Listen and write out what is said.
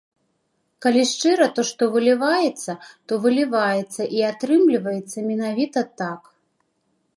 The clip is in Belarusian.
Калі шчыра, то, што выліваецца, то выліваецца і атрымліваецца менавіта так.